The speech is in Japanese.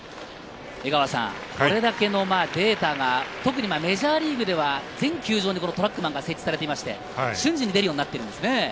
これだけのデータがメジャーリーグでは全球場にこのトラックマンが設置されていて瞬時に出るようになっているんですよね。